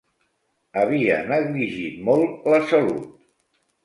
Havia negligit molt la salut.